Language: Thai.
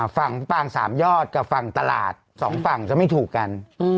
ฝั่งปางสามยอดกับฝั่งตลาดสองฝั่งจะไม่ถูกกัน